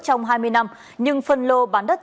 trong hai mươi năm nhưng phân lô bán đất